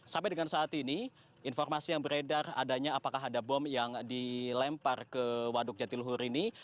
sampai dengan saat ini informasi yang beredar adanya apakah ada bom yang dilempar ke waduk jatiluhur ini